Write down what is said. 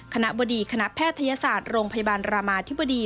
บดีคณะแพทยศาสตร์โรงพยาบาลรามาธิบดี